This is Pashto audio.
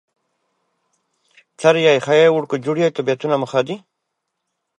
ازادي راډیو د د کانونو استخراج په اړه د مخکښو شخصیتونو خبرې خپرې کړي.